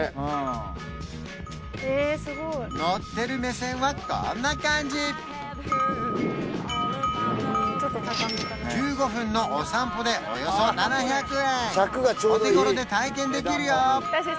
乗ってる目線はこんな感じ１５分のお散歩でおよそ７００円お手頃で体験できるよ